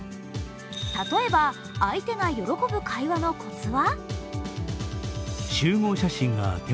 例えば、相手が喜ぶ会話のコツは？